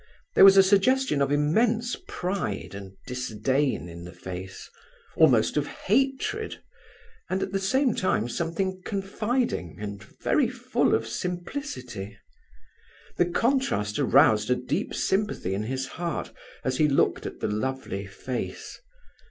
There was a suggestion of immense pride and disdain in the face almost of hatred, and at the same time something confiding and very full of simplicity. The contrast aroused a deep sympathy in his heart as he looked at the lovely face.